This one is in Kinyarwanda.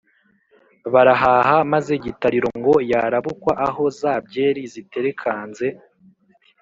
barahaha maze gitariro ngo yakarabukwa aho za byeri ziterekanze